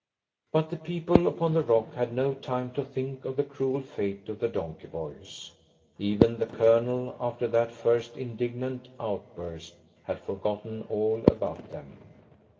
But the people upon the rock had no time to think of the cruel fate of the donkey boys. Even the Colonel, after that first indignant outburst, had forgotten all about them.